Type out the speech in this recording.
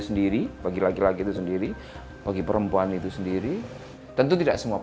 saya tetap berdoa